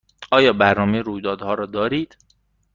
آیا برنامه رویدادها را دارید؟